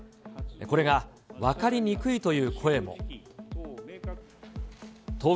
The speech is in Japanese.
これが分かりにくいという声も。